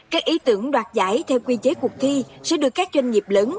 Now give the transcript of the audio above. các ý tưởng đoạt giải theo quy chế cuộc thi sẽ được các doanh nghiệp lớn